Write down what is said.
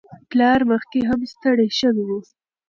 پلار مخکې هم ستړی شوی و.